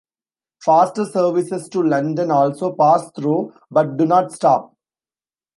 Faster services to London also pass through, but do not stop.